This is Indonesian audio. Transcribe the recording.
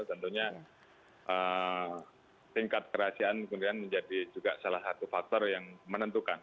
tentunya tingkat kerahasiaan kemudian menjadi juga salah satu faktor yang menentukan